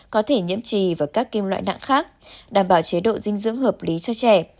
có thể nhiễm trì và các kim loại nặng khác đảm bảo chế độ dinh dưỡng hợp lý cho trẻ